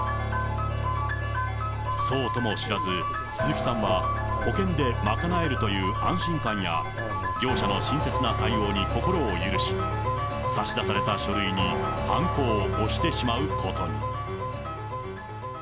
そうとも知らず、鈴木さんは保険で賄えるという安心感や、業者の親切な対応に心を許し、差し出された書類にはんこを押してしまうことに。